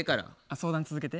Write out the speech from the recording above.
相談続けて。